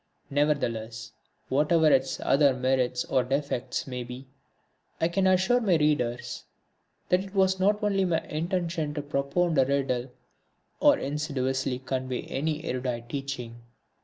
Nevertheless, whatever its other merits or defects may be, I can assure my readers that it was not my intention to propound a riddle, or insidiously convey any erudite teaching.